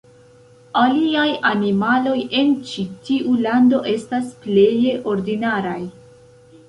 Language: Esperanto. Aliaj animaloj en ĉi tiu lando estas pleje ordinaraj.